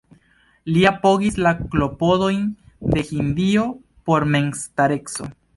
Li apogis la klopodojn de Hindio por memstareco.